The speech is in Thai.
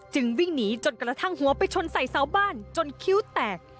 วิ่งหนีจนกระทั่งหัวไปชนใส่เสาบ้านจนคิ้วแตก